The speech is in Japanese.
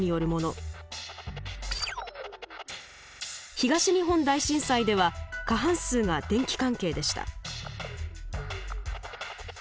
東日本大震災では過半数が電気関係でした。